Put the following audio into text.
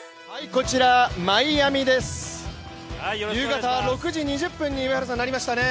こちら、マイアミです、夕方６時２０分になりましたね。